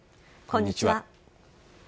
こんにちは。